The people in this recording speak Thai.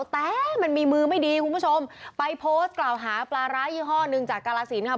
แต่มันมีมือไม่ดีคุณผู้ชมไปโพสต์กล่าวหาปลาร้ายี่ห้อหนึ่งจากกาลสินค่ะ